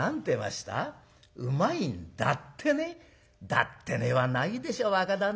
『だってね』はないでしょ若旦那。